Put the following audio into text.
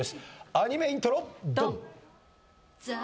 アニメイントロドン！